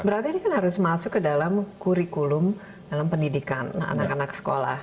berarti ini kan harus masuk ke dalam kurikulum dalam pendidikan anak anak sekolah